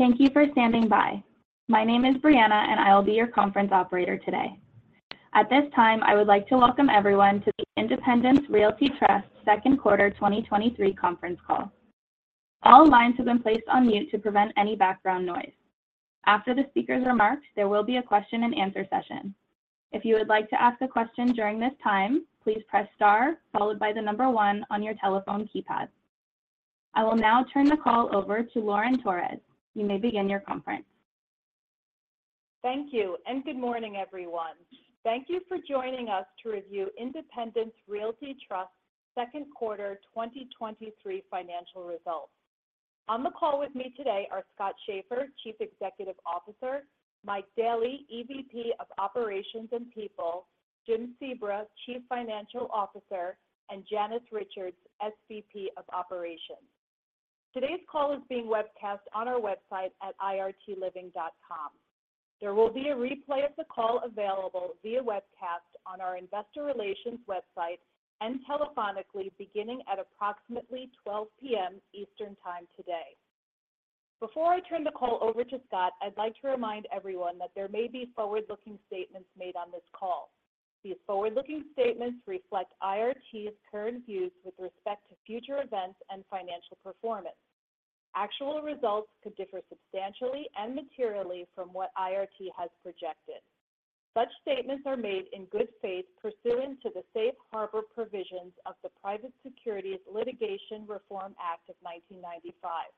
Thank you for standing by. My name is Brianna. I will be your conference operator today. At this time, I would like to welcome everyone to the Independence Realty Trust Second Quarter 2023 conference call. All lines have been placed on mute to prevent any background noise. After the speaker's remarks, there will be a question and answer session. If you would like to ask a question during this time, please press star followed by one on your telephone keypad. I will now turn the call over to Lauren Torres. You may begin your conference. Thank you, and good morning, everyone. Thank you for joining us to review Independence Realty Trust's second quarter 2023 financial results. On the call with me today are Scott Schaeffer, Chief Executive Officer; Mike Daley, EVP of Operations and People; Jim Sebra, Chief Financial Officer; and Janice Richards, SVP of Operations. Today's call is being webcast on our website at irtliving.com. There will be a replay of the call available via webcast on our investor relations website and telephonically beginning at approximately 12:00 P.M. Eastern Time today. Before I turn the call over to Scott, I'd like to remind everyone that there may be forward-looking statements made on this call. These forward-looking statements reflect IRT's current views with respect to future events and financial performance. Actual results could differ substantially and materially from what IRT has projected. Such statements are made in good faith pursuant to the Safe Harbor Provisions of the Private Securities Litigation Reform Act of 1995.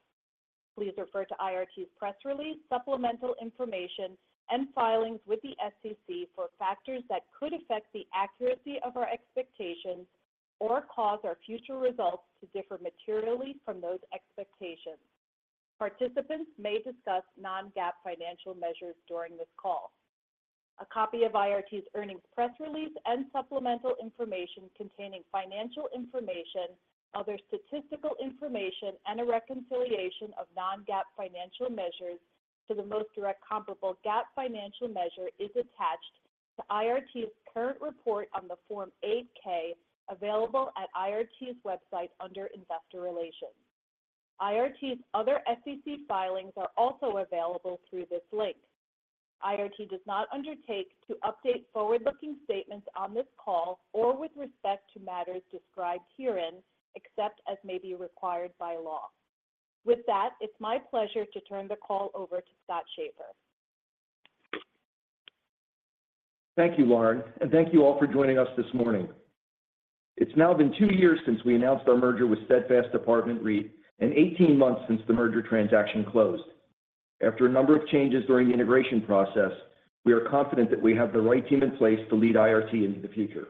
Please refer to IRT's press release, supplemental information, and filings with the SEC for factors that could affect the accuracy of our expectations or cause our future results to differ materially from those expectations. Participants may discuss non-GAAP financial measures during this call. A copy of IRT's earnings press release and supplemental information containing financial information, other statistical information, and a reconciliation of non-GAAP financial measures to the most direct comparable GAAP financial measure is attached to IRT's current report on the Form 8-K, available at IRT's website under Investor Relations. IRT's other SEC filings are also available through this link. IRT does not undertake to update forward-looking statements on this call or with respect to matters described herein, except as may be required by law. With that, it's my pleasure to turn the call over to Scott Schaeffer. Thank you, Lauren, and thank you all for joining us this morning. It's now been two years since we announced our merger with Steadfast Apartment REIT and 18 months since the merger transaction closed. After a number of changes during the integration process, we are confident that we have the right team in place to lead IRT into the future.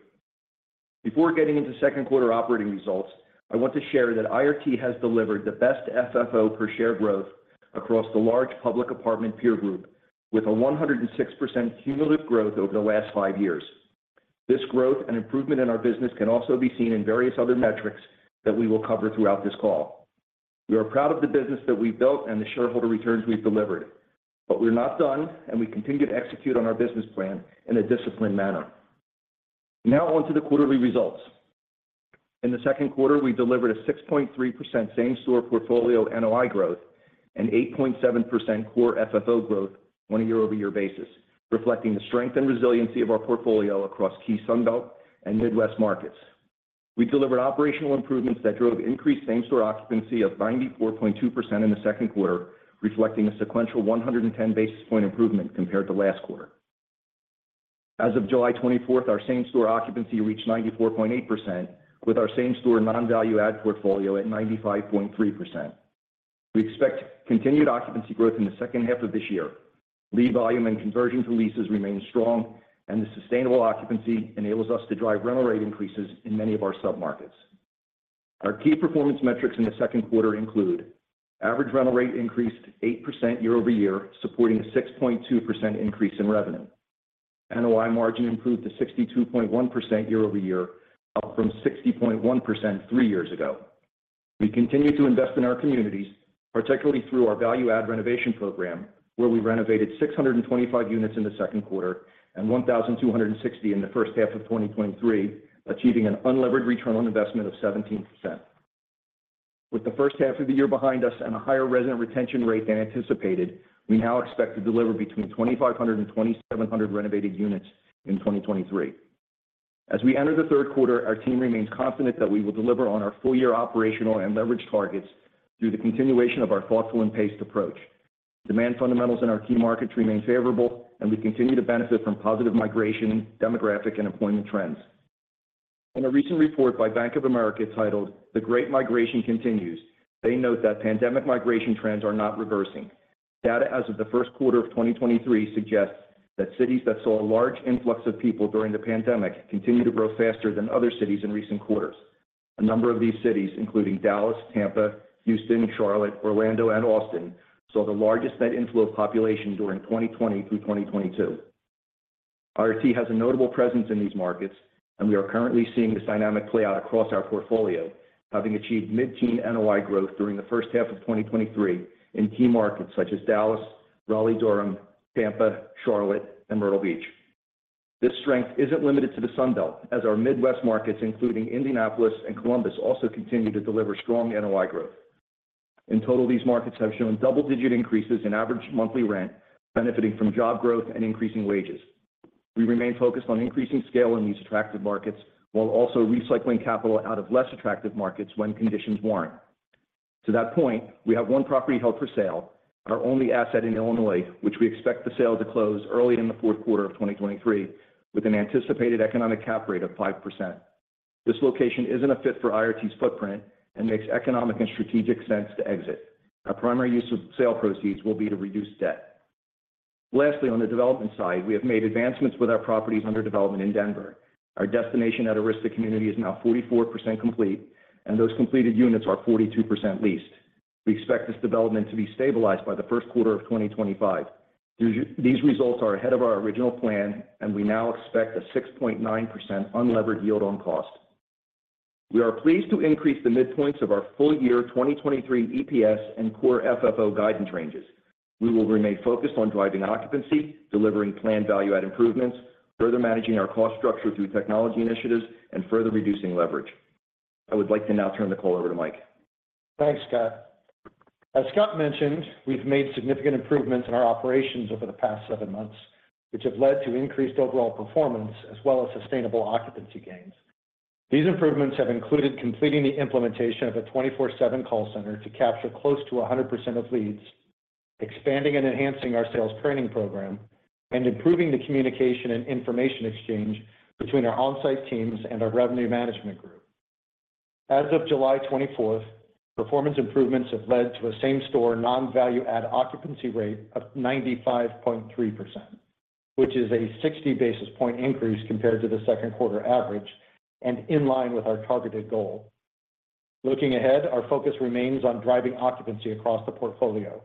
Before getting into second quarter operating results, I want to share that IRT has delivered the best FFO per share growth across the large public apartment peer group, with a 106% cumulative growth over the last 5 years. This growth and improvement in our business can also be seen in various other metrics that we will cover throughout this call. We are proud of the business that we've built and the shareholder returns we've delivered, but we're not done and we continue to execute on our business plan in a disciplined manner. On to the quarterly results. In the second quarter, we delivered a 6.3% same store portfolio NOI growth and 8.7% Core FFO growth on a year-over-year basis, reflecting the strength and resiliency of our portfolio across key Sunbelt and Midwest markets. We delivered operational improvements that drove increased same store occupancy of 94.2% in the second quarter, reflecting a sequential 110 basis point improvement compared to last quarter. As of July 24th, our same store occupancy reached 94.8%, with our same store non-value-add portfolio at 95.3%. We expect continued occupancy growth in the second half of this year. Lead volume and conversion to leases remain strong, and the sustainable occupancy enables us to drive rental rate increases in many of our submarkets. Our key performance metrics in the second quarter include: average rental rate increased 8% year-over-year, supporting a 6.2% increase in revenue. NOI margin improved to 62.1% year-over-year, up from 60.1% three years ago. We continue to invest in our communities, particularly through our value-add renovation program, where we renovated 625 units in the second quarter and 1,260 in the first half of 2023, achieving an unlevered return on investment of 17%. With the first half of the year behind us and a higher resident retention rate than anticipated, we now expect to deliver between 2,500 and 2,700 renovated units in 2023. As we enter the third quarter, our team remains confident that we will deliver on our full-year operational and leverage targets through the continuation of our thoughtful and paced approach. Demand fundamentals in our key markets remain favorable, and we continue to benefit from positive migration, demographic, and employment trends. In a recent report by Bank of America titled "The Great Migration Continues," they note that pandemic migration trends are not reversing. Data as of the first quarter of 2023 suggests that cities that saw a large influx of people during the pandemic continue to grow faster than other cities in recent quarters. A number of these cities, including Dallas, Tampa, Houston, Charlotte, Orlando, and Austin, saw the largest net inflow of population during 2020 through 2022. IRT has a notable presence in these markets, and we are currently seeing this dynamic play out across our portfolio, having achieved mid-teen NOI growth during the first half of 2023 in key markets such as Dallas, Raleigh, Durham, Tampa, Charlotte, and Myrtle Beach. This strength isn't limited to the Sun Belt, as our Midwest markets, including Indianapolis and Columbus, also continue to deliver strong NOI growth. In total, these markets have shown double-digit increases in average monthly rent, benefiting from job growth and increasing wages. We remain focused on increasing scale in these attractive markets, while also recycling capital out of less attractive markets when conditions warrant. To that point, we have one property held for sale, our only asset in Illinois, which we expect the sale to close early in the fourth quarter of 2023, with an anticipated economic cap rate of 5%. This location isn't a fit for IRT's footprint and makes economic and strategic sense to exit. Our primary use of sale proceeds will be to reduce debt. Lastly, on the development side, we have made advancements with our properties under development in Denver. Our Destination at Arista Community is now 44% complete, and those completed units are 42% leased. We expect this development to be stabilized by the first quarter of 2025. These results are ahead of our original plan, and we now expect a 6.9% unlevered yield on cost. We are pleased to increase the midpoints of our full year 2023 EPS and Core FFO guidance ranges. We will remain focused on driving occupancy, delivering planned value-add improvements, further managing our cost structure through technology initiatives, and further reducing leverage. I would like to now turn the call over to Mike. Thanks, Scott. As Scott mentioned, we've made significant improvements in our operations over the past seven months, which have led to increased overall performance as well as sustainable occupancy gains. These improvements have included completing the implementation of a 24/7 call center to capture close to 100% of leads, expanding and enhancing our sales training program, and improving the communication and information exchange between our on-site teams and our revenue management group. As of July 24th, performance improvements have led to a same-store non-value-add occupancy rate of 95.3%, which is a 60 basis point increase compared to the second quarter average and in line with our targeted goal. Looking ahead, our focus remains on driving occupancy across the portfolio,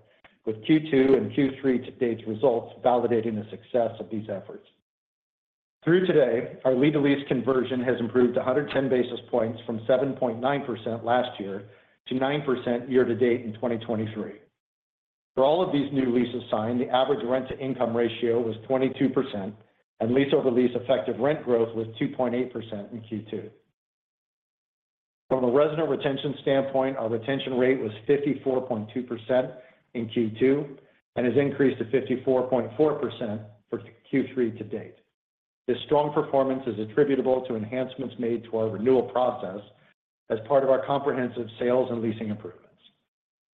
with Q2 and Q3 to date results validating the success of these efforts. Through today, our lead-to-lease conversion has improved 110 basis points from 7.9% last year to 9% year to date in 2023. For all of these new leases signed, the average rent-to-income ratio was 22%, and lease over lease effective rent growth was 2.8% in Q2. From a resident retention standpoint, our retention rate was 54.2% in Q2 and has increased to 54.4% for Q3 to date. This strong performance is attributable to enhancements made to our renewal process as part of our comprehensive sales and leasing improvements.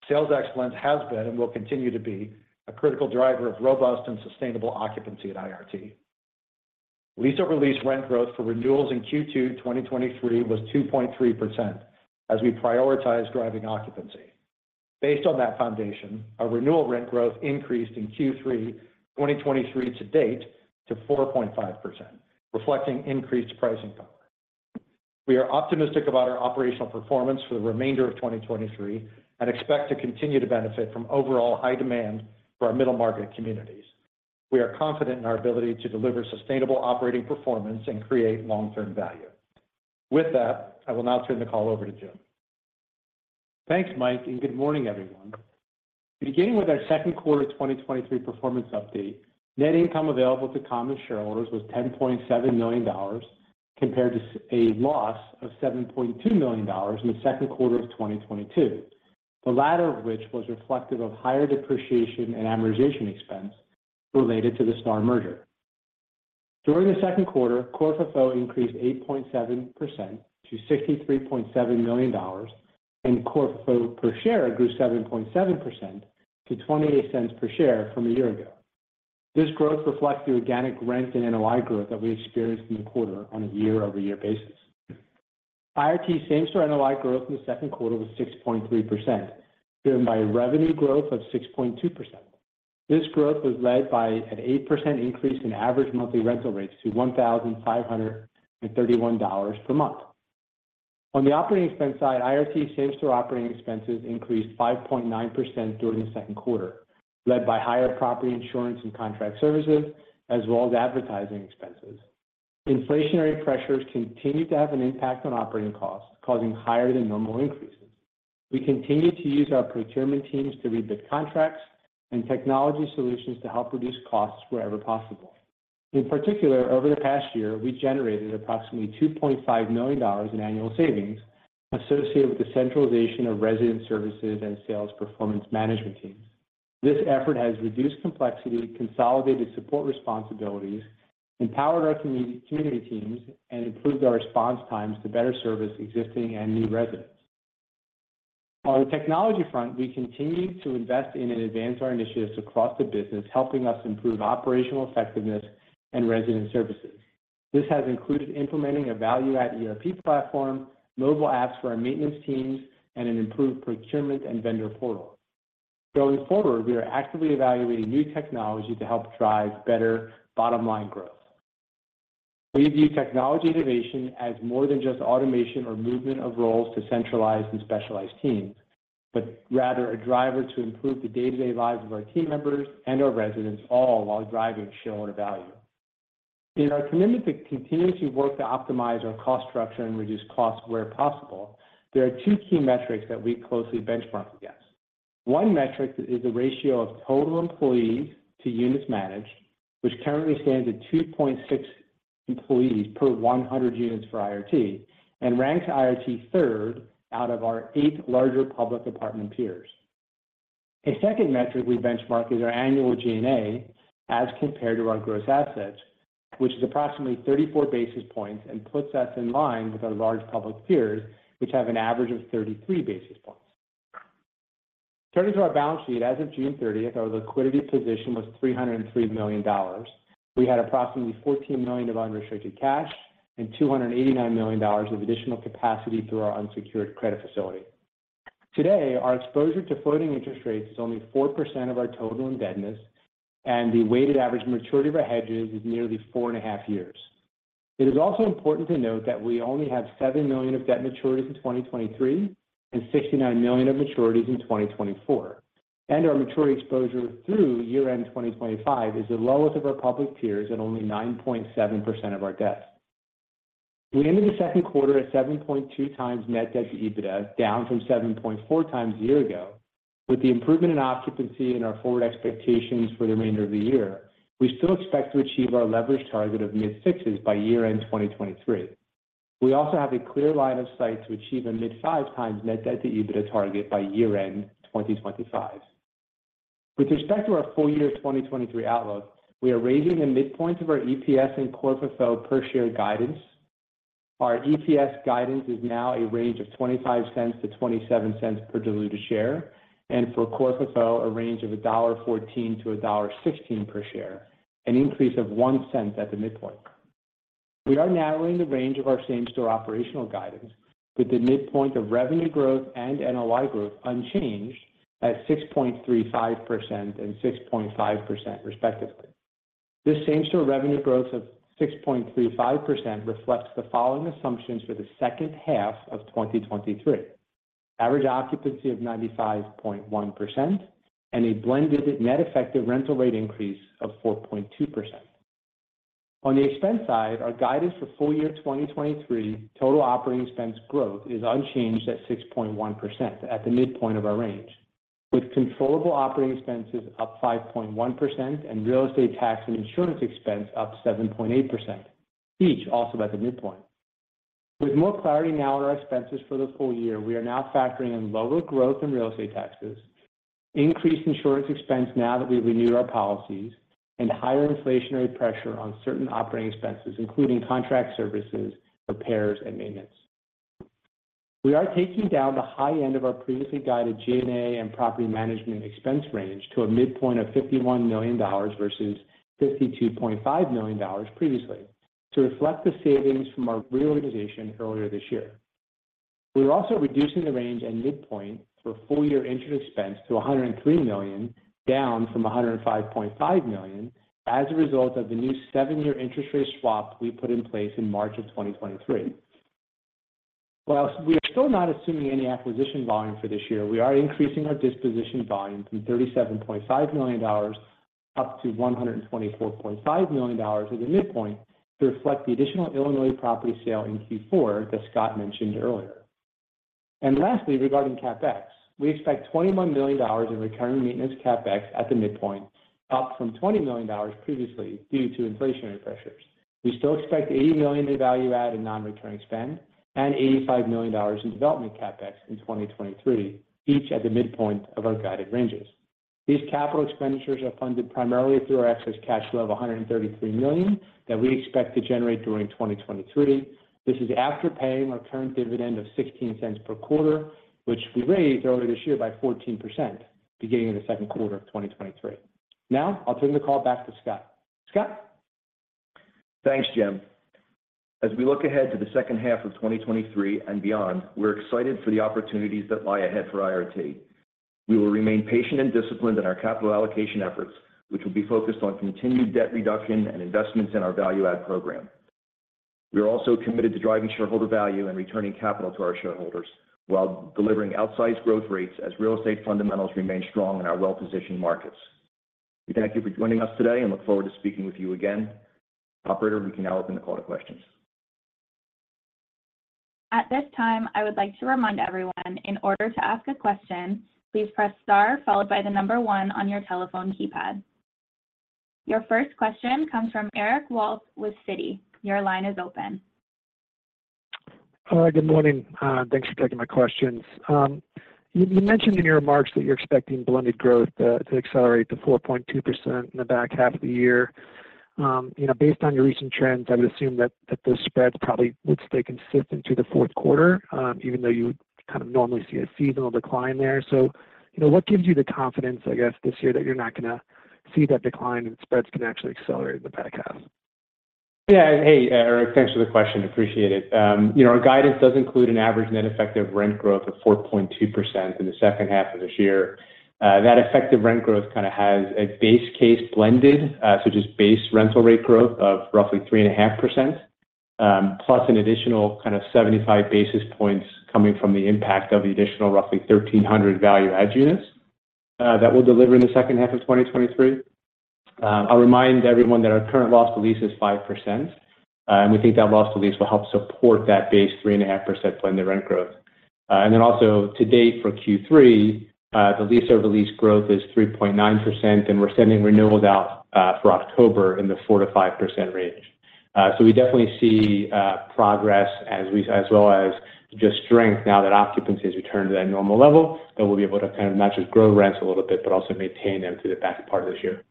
Sales excellence has been, and will continue to be, a critical driver of robust and sustainable occupancy at IRT. Lease over lease rent growth for renewals in Q2 2023 was 2.3%, as we prioritize driving occupancy. Based on that foundation, our renewal rent growth increased in Q3 2023 to date to 4.5%, reflecting increased pricing power. We are optimistic about our operational performance for the remainder of 2023 and expect to continue to benefit from overall high demand for our middle market communities. We are confident in our ability to deliver sustainable operating performance and create long-term value. With that, I will now turn the call over to Jim. Thanks, Mike. Good morning, everyone. Beginning with our second quarter 2023 performance update, net income available to common shareholders was $10.7 million, compared to a loss of $7.2 million in the second quarter of 2022, the latter of which was reflective of higher depreciation and amortization expense related to the STAR merger. During the second quarter, Core FFO increased 8.7% to $63.7 million, and Core FFO per share grew 7.7% to $0.28 per share from a year ago. This growth reflects the organic rent and NOI growth that we experienced in the quarter on a year-over-year basis. IRT same-store NOI growth in the second quarter was 6.3%, driven by revenue growth of 6.2%. This growth was led by an 8% increase in average monthly rental rates to $1,531 per month. On the operating expense side, IRT same-store operating expenses increased 5.9% during the second quarter, led by higher property insurance and contract services, as well as advertising expenses. Inflationary pressures continue to have an impact on operating costs, causing higher than normal increases. We continue to use our procurement teams to rebid contracts and technology solutions to help reduce costs wherever possible. In particular, over the past year, we generated approximately $2.5 million in annual savings associated with the centralization of resident services and sales performance management teams. This effort has reduced complexity, consolidated support responsibilities, empowered our community teams, and improved our response times to better service existing and new residents. On the technology front, we continue to invest in and advance our initiatives across the business, helping us improve operational effectiveness and resident services. This has included implementing a value-add ERP platform, mobile apps for our maintenance teams, and an improved procurement and vendor portal. Going forward, we are actively evaluating new technology to help drive better bottom line growth. We view technology innovation as more than just automation or movement of roles to centralized and specialized teams, but rather a driver to improve the day-to-day lives of our team members and our residents, all while driving shareholder value. In our commitment to continue to work to optimize our cost structure and reduce costs where possible, there are two key metrics that we closely benchmark against. One metric is the ratio of total employees to units managed, which currently stands at 2.6 employees per 100 units for IRT, and ranks IRT third out of our eight larger public apartment peers. A second metric we benchmark is our annual G&A as compared to our gross assets, which is approximately 34 basis points and puts us in line with our large public peers, which have an average of 33 basis points. Turning to our balance sheet. As of June 30th, our liquidity position was $303 million. We had approximately $14 million of unrestricted cash and $289 million of additional capacity through our unsecured credit facility. Today, our exposure to floating interest rates is only 4% of our total indebtedness, and the weighted average maturity of our hedges is nearly four and a half years. It is also important to note that we only have $7 million of debt maturities in 2023, and $69 million of maturities in 2024. Our maturity exposure through year-end 2025 is the lowest of our public peers at only 9.7% of our debt. We ended the second quarter at 7.2x net debt to EBITDA, down from 7.4x a year ago. With the improvement in occupancy and our forward expectations for the remainder of the year, we still expect to achieve our leverage target of mid-sixes by year-end 2023. We also have a clear line of sight to achieve a mid-five times net debt to EBITDA target by year-end 2025. With respect to our full year 2023 outlook, we are raising the midpoint of our EPS and Core FFO per share guidance. Our EPS guidance is now a range of $0.25-$0.27 per diluted share, and for Core FFO, a range of $1.14-$1.16 per share, an increase of $0.01 at the midpoint. We are narrowing the range of our same-store operational guidance, with the midpoint of revenue growth and NOI growth unchanged at 6.35% and 6.5%, respectively. This same-store revenue growth of 6.35% reflects the following assumptions for the second half of 2023. Average occupancy of 95.1% and a blended net effective rental rate increase of 4.2%. On the expense side, our guidance for full year 2023, total operating expense growth is unchanged at 6.1% at the midpoint of our range, with controllable operating expenses up 5.1% and real estate tax and insurance expense up 7.8%, each also at the midpoint. With more clarity now on our expenses for the full year, we are now factoring in lower growth in real estate taxes, increased insurance expense now that we've renewed our policies, and higher inflationary pressure on certain operating expenses, including contract services, repairs, and maintenance. We are taking down the high end of our previously guided G&A and property management expense range to a midpoint of $51 million versus $52.5 million previously, to reflect the savings from our reorganization earlier this year. We are also reducing the range and midpoint for full-year interest expense to $103 million, down from $105.5 million, as a result of the new seven-year interest rate swap we put in place in March of 2023. While we are still not assuming any acquisition volume for this year, we are increasing our disposition volume from $37.5 million up to $124.5 million at the midpoint, to reflect the additional Illinois property sale in Q4 that Scott mentioned earlier. Lastly, regarding CapEx, we expect $21 million in recurring maintenance CapEx at the midpoint, up from $20 million previously, due to inflationary pressures. We still expect $80 million in value-add and non-recurring spend, and $85 million in development CapEx in 2023, each at the midpoint of our guided ranges. These capital expenditures are funded primarily through our excess cash flow of $133 million that we expect to generate during 2023. This is after paying our current dividend of $0.16 per quarter, which we raised earlier this year by 14%, beginning in the second quarter of 2023. I'll turn the call back to Scott. Scott? Thanks, Jim. As we look ahead to the second half of 2023 and beyond, we're excited for the opportunities that lie ahead for IRT. We will remain patient and disciplined in our capital allocation efforts, which will be focused on continued debt reduction and investments in our value-add program. We are also committed to driving shareholder value and returning capital to our shareholders, while delivering outsized growth rates as real estate fundamentals remain strong in our well-positioned markets. We thank you for joining us today and look forward to speaking with you again. Operator, we can now open the call to questions. At this time, I would like to remind everyone, in order to ask a question, please press star followed by the number one on your telephone keypad. Your first question comes from Eric Wolfe with Citi. Your line is open. Hi, good morning. Thanks for taking my questions. You mentioned in your remarks that you're expecting blended growth to accelerate to 4.2% in the back half of the year. You know, based on your recent trends, I would assume that the spreads probably would stay consistent through the fourth quarter, even though you kind of normally see a seasonal decline there. You know, what gives you the confidence, I guess, this year, that you're not gonna see that decline and spreads can actually accelerate in the back half? Yeah. Hey, Eric, thanks for the question. Appreciate it. You know, our guidance does include an average net effective rent growth of 4.2% in the second half of this year. That effective rent growth kinda has a base case blended, so just base rental rate growth of roughly 3.5%, plus an additional kind of 75 basis points coming from the impact of the additional roughly 1,300 value-add units that we'll deliver in the second half of 2023. I'll remind everyone that our current loss to lease is 5%, and we think that loss to lease will help support that base 3.5% blended rent growth. To date for Q3, the lease over lease growth is 3.9%. We're sending renewals out for October in the 4%-5% range. We definitely see progress as well as just strength now that occupancy has returned to that normal level, that we'll be able to kind of not just grow rents a little bit, but also maintain them through the back part of this year.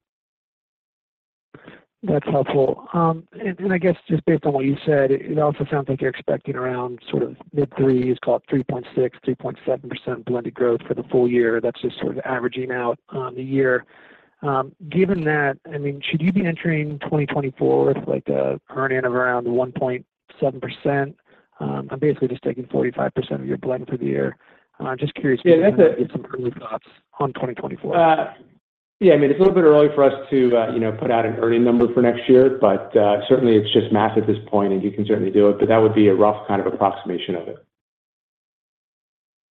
That's helpful. I guess just based on what you said, it also sounds like you're expecting around sort of mid-threes, call it 3.6%, 3.7% blended growth for the full year. That's just sort of averaging out on the year. Given that, I mean, should you be entering 2024 with, like, a earning of around 1.7%? I'm basically just taking 45% of your blend for the year. I'm just curious— Yeah, that's— —some early thoughts on 2024. Yeah, I mean, it's a little bit early for us to, you know, put out an earning number for next year, but certainly it's just math at this point, and you can certainly do it, but that would be a rough kind of approximation of it.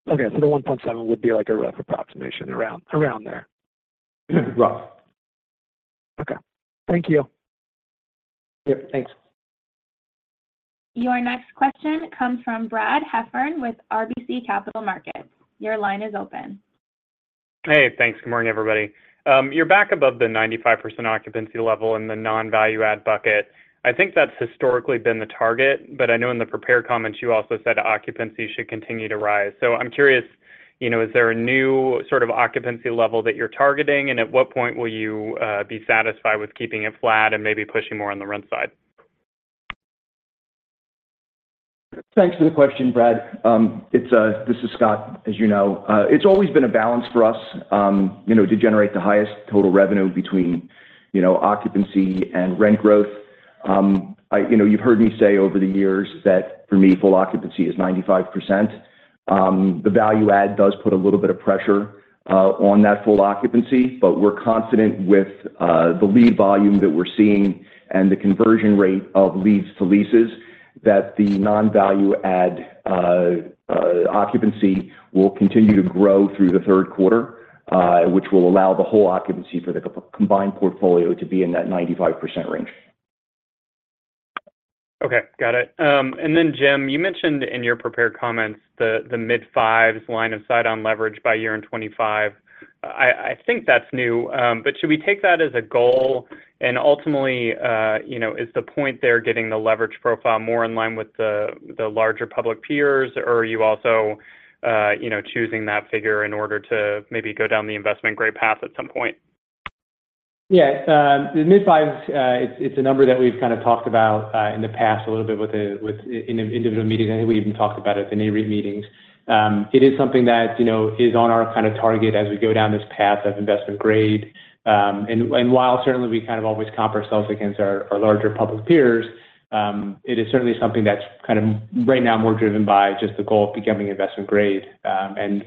Okay. The 1.7% would be, like, a rough approximation around there. Rough. Okay. Thank you. Yep, thanks. Your next question comes from Bradley Heffern with RBC Capital Markets. Your line is open. Hey, thanks. Good morning, everybody. You're back above the 95% occupancy level in the non-value-add bucket. I think that's historically been the target. I know in the prepared comments you also said occupancy should continue to rise. I'm curious, you know, is there a new sort of occupancy level that you're targeting? At what point will you be satisfied with keeping it flat and maybe pushing more on the rent side? Thanks for the question, Brad. This is Scott, as you know. It's always been a balance for us, you know, to generate the highest total revenue between, you know, occupancy and rent growth. you know, you've heard me say over the years that for me, full occupancy is 95%. The value-add does put a little bit of pressure on that full occupancy, but we're confident with the lead volume that we're seeing and the conversion rate of leads to leases, that the non-value-add occupancy will continue to grow through the third quarter, which will allow the whole occupancy for the combined portfolio to be in that 95% range. Okay, got it. And then, Jim, you mentioned in your prepared comments the, the mid-fives line of sight on leverage by year-end 2025. I think that's new, should we take that as a goal? Ultimately, you know, is the point there getting the leverage profile more in line with the, the larger public peers, or are you also, you know, choosing that figure in order to maybe go down the investment grade path at some point? Yeah. The mid-fives, it's a number that we've kind of talked about in the past a little bit with the, with, in, in individual meetings, and we even talked about it in Nareit meetings. It is something that, you know, is on our kind of target as we go down this path of investment grade. While certainly we kind of always compare ourselves against our, our larger public peers, it is certainly something that's kind of right now more driven by just the goal of becoming investment grade.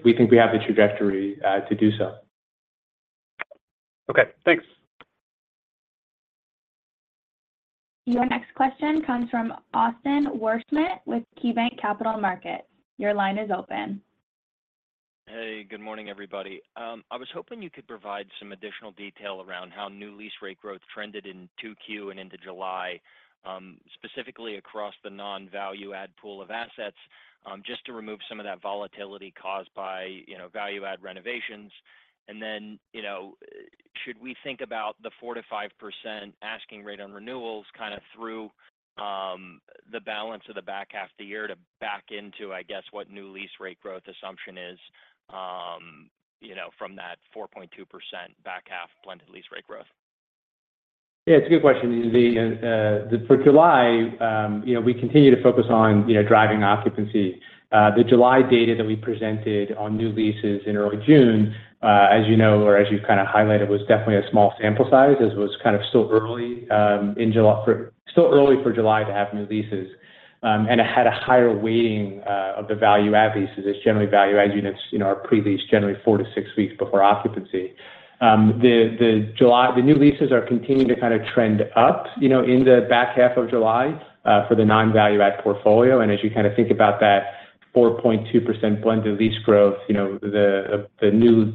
We think we have the trajectory to do so. Okay, thanks. Your next question comes from Austin Wurschmidt with KeyBanc Capital Markets. Your line is open. Hey, good morning, everybody. I was hoping you could provide some additional detail around how new lease rate growth trended in 2Q and into July, specifically across the non-value-add pool of assets, just to remove some of that volatility caused by, you know, value-add renovations. Then, you know, should we think about the 4%-5% asking rate on renewals kind of through the balance of the back half of the year to back into, I guess, what new lease rate growth assumption is, you know, from that 4.2% back half blended lease rate growth? Yeah, it's a good question, Austin. For July, you know, we continue to focus on, you know, driving occupancy. The July data that we presented on new leases in early June, as you know, or as you've kind of highlighted, was definitely a small sample size, as was kind of still early in July still early for July to have new leases. It had a higher weighting of the value add leases. It's generally value add units, you know, are pre-leased generally four to six weeks before occupancy. The July, the new leases are continuing to kind of trend up, you know, in the back half of July, for the non-value add portfolio. As you kind of think about that 4.2% blended lease growth, you know, the new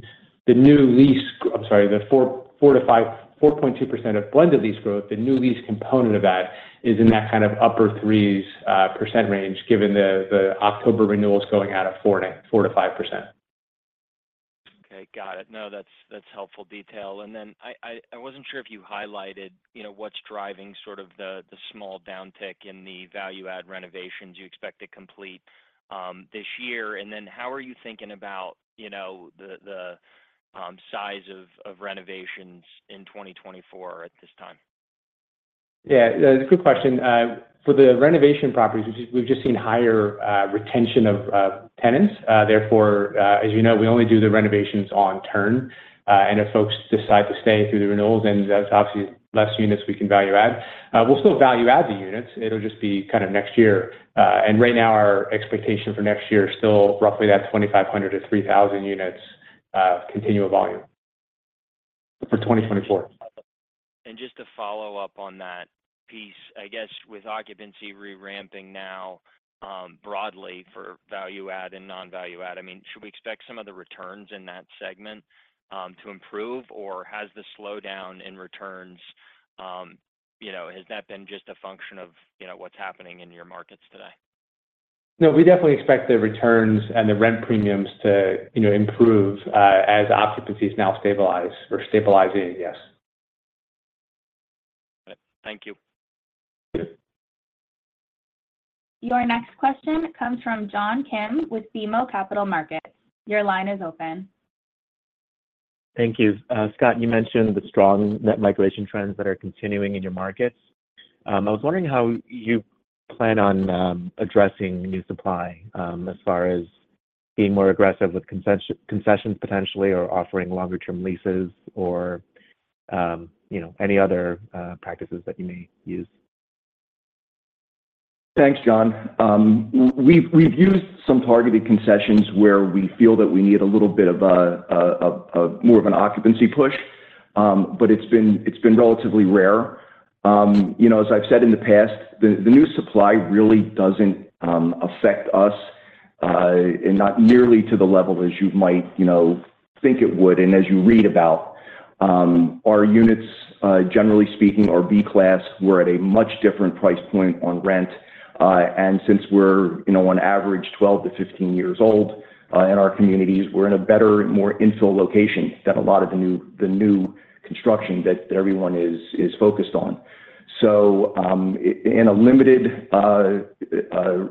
lease—I'm sorry, the 4.2% of blended lease growth, the new lease component of that is in that kind of upper-threes percent range, given the October renewals going out at 4%-5%. Okay. Got it. No, that's helpful detail. I wasn't sure if you highlighted, you know, what's driving sort of the small downtick in the value-add renovations you expect to complete this year. How are you thinking about, you know, the size of renovations in 2024 at this time? Yeah, good question. For the renovation properties, we've just seen higher retention of tenants. Therefore, as you know, we only do the renovations on turn, and if folks decide to stay through the renewals, then that's obviously less units we can value add. We'll still value add the units, it'll just be kind of next year. Right now, our expectation for next year is still roughly that 2,500 to 3,000 units, continual volume for 2024. Just to follow up on that piece, I guess, with occupancy re-ramping now, broadly for value-add and non-value-add, I mean, should we expect some of the returns in that segment to improve? Has the slowdown in returns, you know, has that been just a function of, you know, what's happening in your markets today? No, we definitely expect the returns and the rent premiums to, you know, improve, as occupancies now stabilize or stabilizing, yes. Thank you. Thank you. Your next question comes from John Kim with BMO Capital Markets. Your line is open. Thank you. Scott, you mentioned the strong net migration trends that are continuing in your markets. I was wondering how you plan on addressing new supply as far as being more aggressive with concessions potentially, or offering longer term leases or, you know, any other practices that you may use? Thanks, John. We've used some targeted concessions where we feel that we need a little bit more of an occupancy push. It's been relatively rare. You know, as I've said in the past, the new supply really doesn't affect us and not nearly to the level as you might, you know, think it would and as you read about. Our units, generally speaking, are B class. We're at a much different price point on rent. Since we're, you know, on average 12 to 15 years old in our communities, we're in a better, more infill location than a lot of the new construction that everyone is focused on. In a limited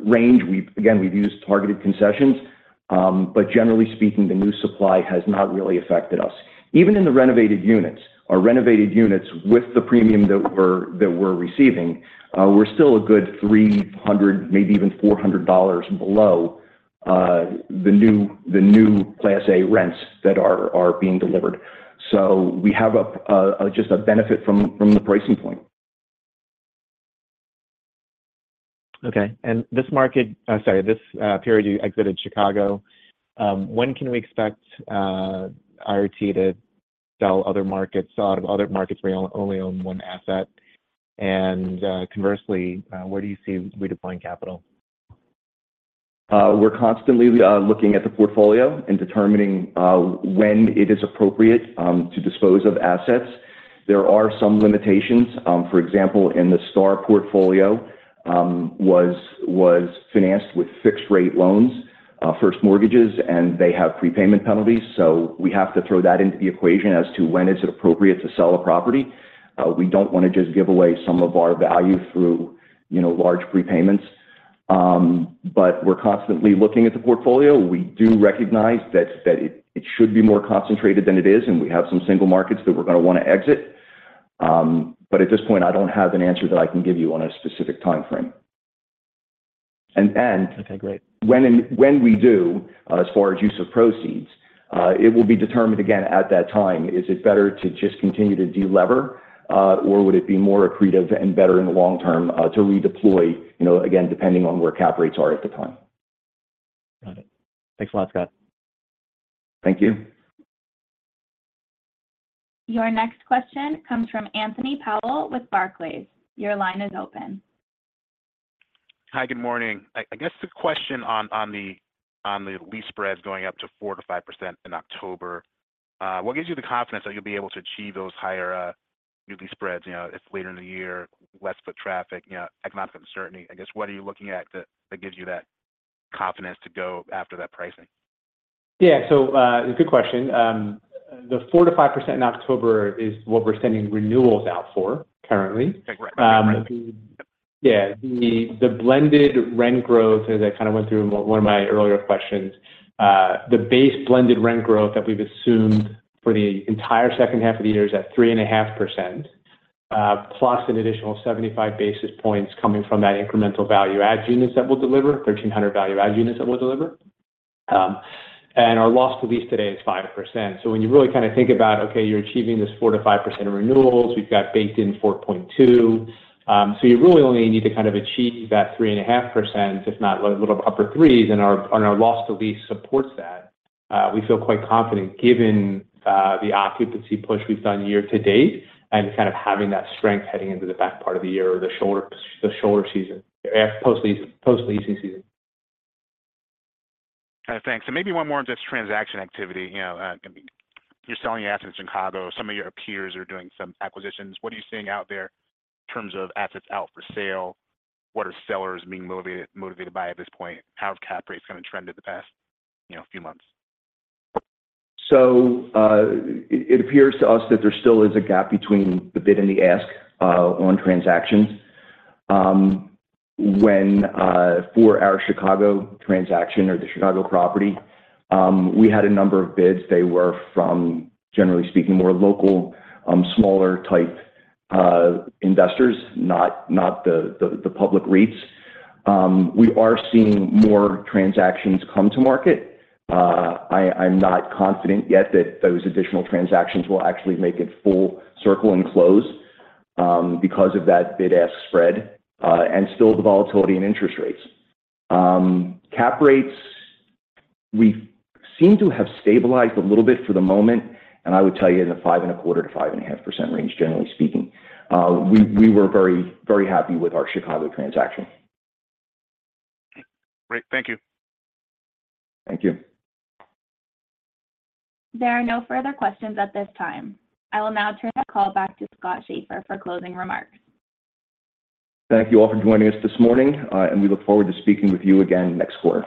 range, we've again used targeted concessions, but generally speaking, the new supply has not really affected us. Even in the renovated units. Our renovated units, with the premium that we're receiving, we're still a good $300, maybe even $400 below the new Class A rents that are being delivered. We have just a benefit from the pricing point. Okay. Sorry, this period you exited Chicago, when can we expect IRT to sell other markets, out of other markets where you only own one asset? Conversely, where do you see redeploying capital? We're constantly looking at the portfolio and determining when it is appropriate to dispose of assets. There are some limitations. For example, in the STAR portfolio was financed with fixed rate loans, first mortgages, and they have prepayment penalties. We have to throw that into the equation as to when it's appropriate to sell a property. We don't want to just give away some of our value through, you know, large prepayments. We're constantly looking at the portfolio. We do recognize that it should be more concentrated than it is, and we have some single markets that we're going to want to exit. At this point, I don't have an answer that I can give you on a specific time frame. Okay, great. When we do, as far as use of proceeds, it will be determined again at that time. Is it better to just continue to delever, or would it be more accretive and better in the long term, to redeploy? You know, again, depending on where cap rates are at the time. Got it. Thanks a lot, Scott. Thank you. Your next question comes from Anthony Powell with Barclays. Your line is open. Hi, good morning. I guess the question on the lease spreads going up to 4%-5% in October, what gives you the confidence that you'll be able to achieve those higher new lease spreads? You know, it's later in the year, less foot traffic, you know, economic uncertainty. I guess, what are you looking at that gives you that confidence to go after that pricing? Yeah. good question. The 4%-5% in October is what we're sending renewals out for currently. Right. Yeah, the, the blended rent growth, as I kind of went through in one of my earlier questions, the base blended rent growth that we've assumed for the entire second half of the year is at 3.5%, plus an additional 75 basis points coming from that incremental value-add units that we'll deliver, 1,300 value-add units that we'll deliver. Our loss to lease today is 5%. When you really kind of think about, okay, you're achieving this 4%-5% of renewals, we've got baked in 4.2%. You really only need to kind of achieve that 3.5%, if not a little upper-threes, and our loss to lease supports that. We feel quite confident, given, the occupancy push we've done year-to-date, and kind of having that strength heading into the back part of the year or the shorter season, post leasing season. Thanks. Maybe one more on just transaction activity. You know, you're selling your assets in Chicago. Some of your peers are doing some acquisitions. What are you seeing out there in terms of assets out for sale? What are sellers being motivated by at this point? How have cap rates kind of trended the past, you know, few months? It appears to us that there still is a gap between the bid and the ask on transactions. When for our Chicago transaction or the Chicago property, we had a number of bids. They were from, generally speaking, more local, smaller type investors, not the public REITs. We are seeing more transactions come to market. I'm not confident yet that those additional transactions will actually make it full circle and close because of that bid-ask spread and still the volatility in interest rates. Cap rates, we seem to have stabilized a little bit for the moment, and I would tell you in the 5.25%-5.5% range, generally speaking. We were very, very happy with our Chicago transaction. Great. Thank you. Thank you. There are no further questions at this time. I will now turn the call back to Scott Schaeffer for closing remarks. Thank you all for joining us this morning, and we look forward to speaking with you again next quarter.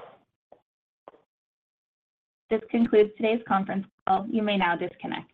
This concludes today's conference call. You may now disconnect.